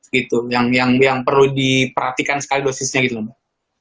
gitu yang perlu diperhatikan sekali dosisnya gitu loh mbak